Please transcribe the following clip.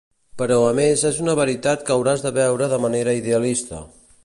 Però a més és una veritat que hauràs de veure de manera idealista.